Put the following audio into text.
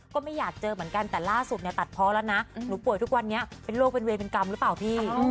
ก็ไม่อยากเจอเหมือนกันแต่ล่าสุดเนี่ยตัดเพราะแล้วนะหนูป่วยทุกวันนี้เป็นโรคเป็นเวรเป็นกรรมหรือเปล่าพี่